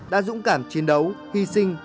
đã dũng cảm chiến đấu hy sinh